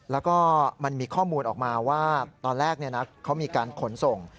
แล้วก็มันมีข้อมูลออกมาว่าตอนแรกเขามีการขนส่ง